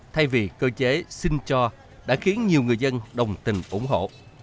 thay vì cơ chế xin cho đã khiến nhiều người dân đồng tình ủng hộ